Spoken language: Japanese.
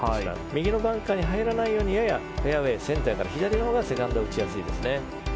右のバンカーに入らないようにややフェアウェーセンターから左セカンドが打ちやすいですね。